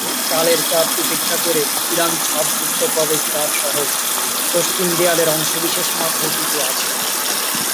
কালের চাপ উপেক্ষা করে খিলান ছাদযুক্ত প্রবেশদ্বারসহ পশ্চিম দেয়ালের অংশবিশেষ মাত্র টিকে আছে।